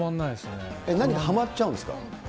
何かはまっちゃうんですか。